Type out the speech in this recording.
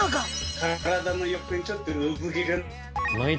体の横にちょっと産毛が。